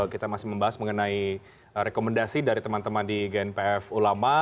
kita masih membahas mengenai rekomendasi dari teman teman di gnpf ulama